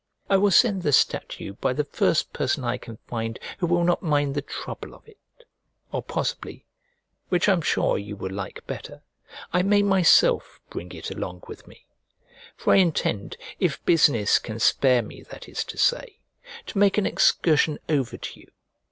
I will send the statue by the first person I can find who will not mind the trouble of it; or possibly (which I am sure you will like better) I may myself bring it along with me: for I intend, if business can spare me that is to say, to make an excursion over to you.